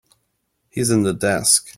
He's in the desk.